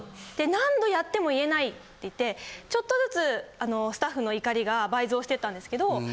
何度やっても言えないってちょっとずつスタッフの怒りが倍増していったんですけど。